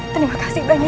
terima kasih banyak